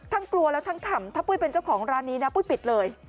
กลัวแล้วทั้งขำถ้าปุ้ยเป็นเจ้าของร้านนี้นะปุ้ยปิดเลย